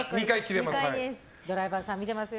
ドライバーさん見てますよ。